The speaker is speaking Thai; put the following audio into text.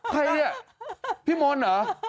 ใครเนี่ยพี่มนต์เหรอ